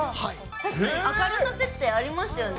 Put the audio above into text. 確かに明るさ設定ありますよね。